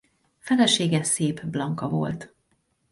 Felesége Szép Blanka volt.